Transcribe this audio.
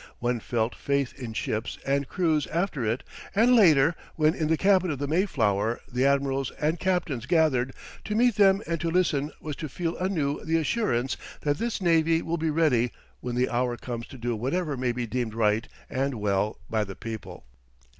One felt faith in ships and crews after it; and later, when in the cabin of the Mayflower the admirals and captains gathered, to meet them and to listen was to feel anew the assurance that this navy will be ready when the hour comes to do whatever may be deemed right and well by the people.